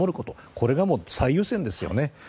これがもう最優先ですよね。